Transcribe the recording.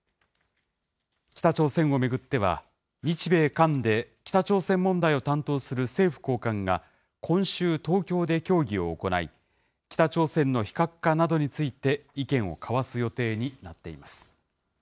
北朝鮮を巡っては、日米韓で北朝鮮問題を担当する政府高官が今週、東京で協議を行い、北朝鮮の非核化などについて意見を交わす予定